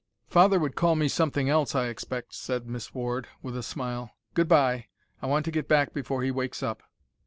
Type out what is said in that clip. "Father would call me something else, I expect," said Miss Ward, with a smile. "Good bye. I want to get back before he wakes up."